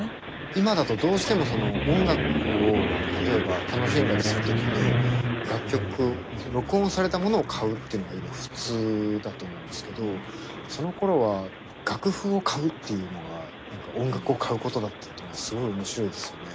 今だとどうしても音楽を例えば楽しんだりする時に楽曲録音されたものを買うっていうのが今普通だと思うんですけどそのころは楽譜を買うっていうのが何か音楽を買うことだったっていうのがすごい面白いですよね。